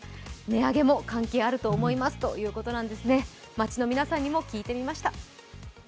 街の皆さんにも聞いてみました。